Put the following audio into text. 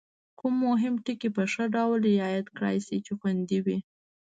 کوم مهم ټکي په ښه ډول رعایت کړای شي چې خوندي وي؟